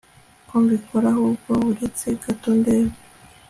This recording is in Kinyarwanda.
ko mbikora ahubwo buretse gato ndebe